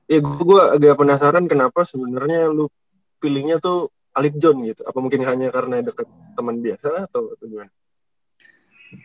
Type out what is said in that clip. ya gua agak penasaran kenapa sebenarnya lu feelingnya tuh alip john gitu apa mungkin hanya karena deket temen biasa atau gimana